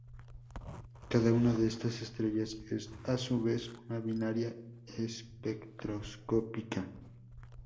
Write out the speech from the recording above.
Cada una de estas estrellas es, a su vez, una binaria espectroscópica.